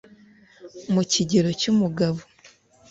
Mu kigero cy'umugabo